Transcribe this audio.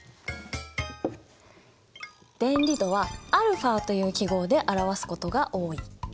電離度はαという記号で表すことが多い。